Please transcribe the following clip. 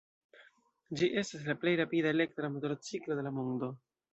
Ĝi estas la plej rapida elektra motorciklo de la mondo.